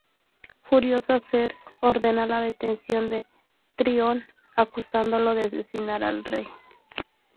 Furiosa, Cersei ordena la detención de Tyrion acusándolo de asesinar al rey.